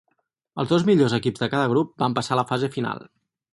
Els dos millors equips de cada grup van passar a la fase final.